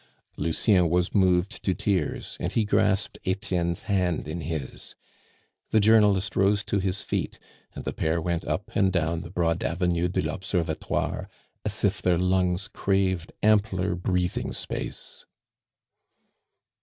Lucien was moved to tears, and he grasped Etienne's hand in his. The journalist rose to his feet, and the pair went up and down the broad Avenue de l'Observatoire, as if their lungs craved ampler breathing space.